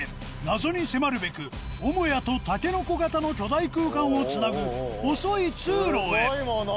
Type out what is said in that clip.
謎に迫るべく母屋とタケノコ型の巨大空間を繋ぐ細い通路へスゴいモノ！